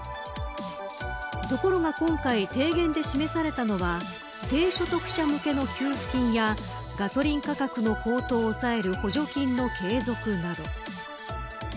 ところが今回提言で示されたのは低所得者向けの給付金やガソリン価格の高騰を抑える補助金の継続など。